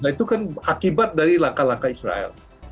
itu kan akibat dari laka laka israel